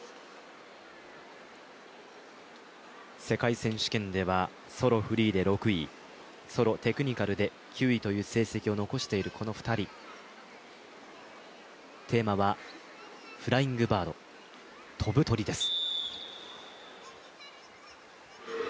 世界選手権ではソロ、フリーで６位、ソロ、テクニカルで９位という成績を残している２人テーマはフライングバード、飛ぶ鳥です。